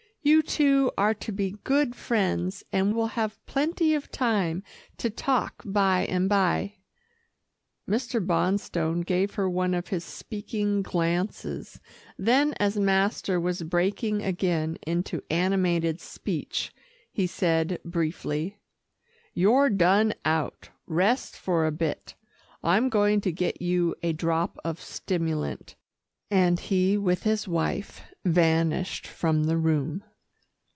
You two are to be good friends, and will have plenty of time to talk bye and bye." Mr. Bonstone gave her one of his speaking glances, then as master was breaking again into animated speech, he said, briefly, "You're done out. Rest for a bit. I'm going to get you a drop of stimulant," and he with his wife vanished from the room.